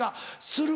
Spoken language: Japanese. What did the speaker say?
する？